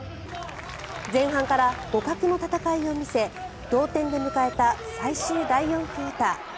前半から互角の戦いを見せ同点で迎えた最終第４クオーター。